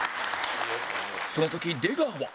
その時出川は